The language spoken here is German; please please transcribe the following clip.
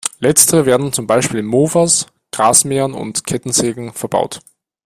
Letztere werden zum Beispiel in Mofas, Rasenmähern und Kettensägen verbaut.